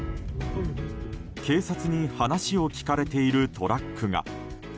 警察に話を聞かれているトラックが。